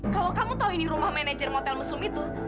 kalau kamu tahu ini rumah manajer hotel mesum itu